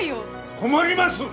困ります！